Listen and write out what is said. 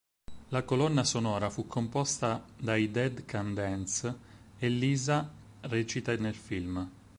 La colonna sonora fu composta dai Dead Can Dance e Lisa recita nel film.